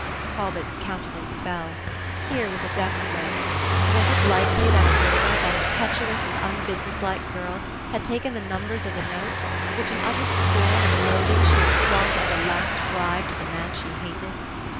Talbot's countenance fell. Here was a death blow. Was it likely that Aurora, that impetuous and unbusiness like girl, had taken the numbers of the notes which, in utter scorn and loathing, she had flung as a last bribe to the man she hated?